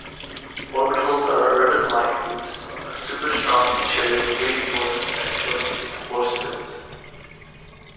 Orbitals are ribbon-like hoops of a super-strong material reinforced and joined with force fields.